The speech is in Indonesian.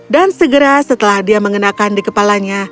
dan segera setelah dia mengenakan di kepalanya